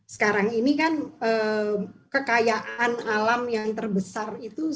sekarang ini kan kekayaan alam yang terbesar itu